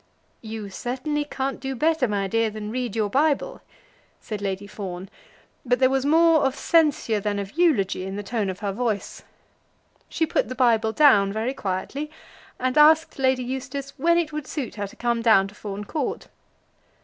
"You certainly can't do better, my dear, than read your Bible," said Lady Fawn, but there was more of censure than of eulogy in the tone of her voice. She put the Bible down very quietly, and asked Lady Eustace when it would suit her to come down to Fawn Court.